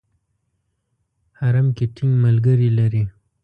حرم کې ټینګ ملګري لري.